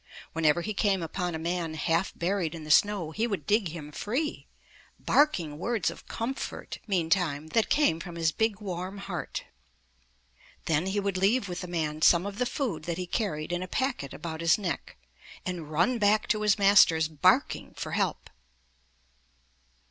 Whenever he came upon a man half buried in the snow, he would dig him free, barking words of com fort, meantime, that came from his big, warm heart. Then he would leave with the man some of the food that he carried in a packet about his neck, and run back to his masters, barking for help.